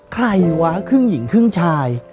ใครวะครึ่งหญิงครึ่งชาย